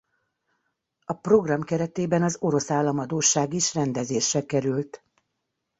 A program keretében az orosz államadósság is rendezésre került.